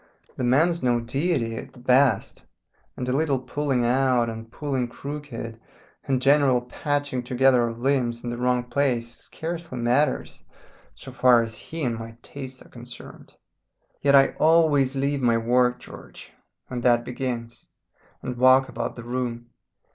The man's no deity at the best, and a little pulling out, and pulling crooked, and general patching together of limbs in the wrong place scarcely matters so far as he and my taste are concerned. Yet I always leave my work, George, when that begins, and walk about the room.